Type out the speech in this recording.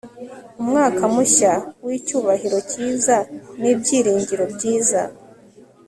umwaka mushya w'icyubahiro cyiza ni ibyiringiro byiza